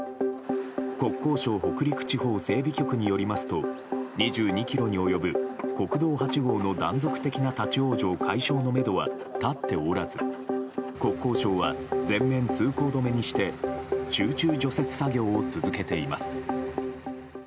国交省北陸地方整備局によりますと２２ｋｍに及ぶ国道８号の断続的な立ち往生解消のめどは立っておらず国交省は全面通行止めにして集中除雪作業を続けています。